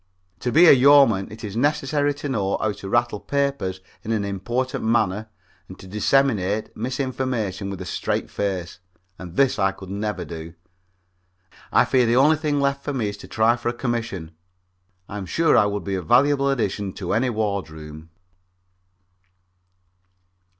To be a yeoman, it is necessary to know how to rattle papers in an important manner and disseminate misinformation with a straight face, and this I could never do. I fear the only thing left for me is to try for a commission. I'm sure I would be a valuable addition to any wardroom.